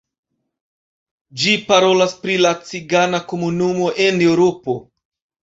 Ĝi parolas pri la cigana komunumo en Eŭropo.